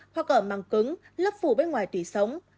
hoặc ở màng cứng lớp phủ bên ngoài tủy sống